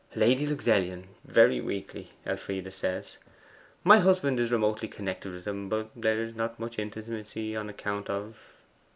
'Lady Luxellian; very weakly, Elfride says. My husband is remotely connected with them; but there is not much intimacy on account of